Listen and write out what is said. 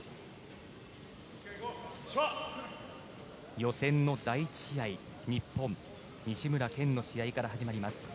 予選の第１試合日本、西村拳の試合から始まります。